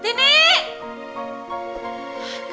tidak aku lapar